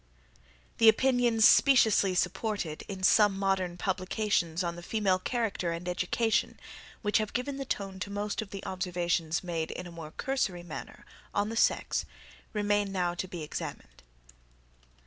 The opinions speciously supported, in some modern publications on the female character, and education, which have given the tone to most of the observations made, in a more cursory manner, on the sex, remain now to be examined.